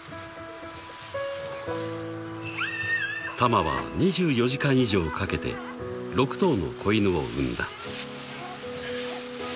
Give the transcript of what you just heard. ［タマは２４時間以上かけて６頭の子犬を産んだ］